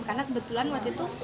karena kebetulan waktu itu